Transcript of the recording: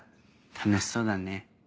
楽しそうだね。